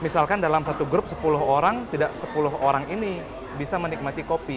jadi satu grup sepuluh orang tidak sepuluh orang ini bisa menikmati kopi